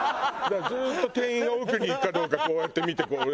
ずっと店員が奥に行くかどうかこうやって見てこう。